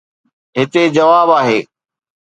هتي خواب آهي.